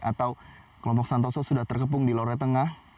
atau kelompok santoso sudah terkepung di lore tengah